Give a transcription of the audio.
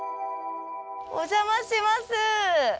お邪魔します。